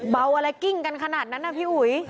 เบาอะไรกิ้งกันขนาดนั้นนะพี่อุ๋ย